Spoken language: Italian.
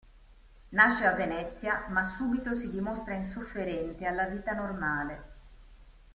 Nasce a Venezia, ma subito si dimostra insofferente alla vita normale.